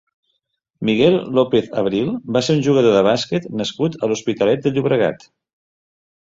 Miguel López Abril va ser un jugador de bàsquet nascut a l'Hospitalet de Llobregat.